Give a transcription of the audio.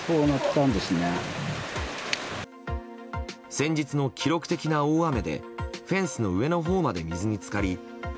先日の記録的な大雨でフェンスの上のほうまで水に浸かり